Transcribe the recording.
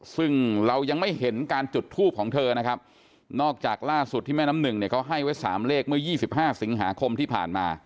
ซึ่งเรายังไม่เห็นการจุดทูปของเธอนะครับนอกจากล่าสุดที่แม่น้ำหนึ่งเนี่ยเขาให้ไว้๓เลขเมื่อ๒๕สิงหาคมที่ผ่านมา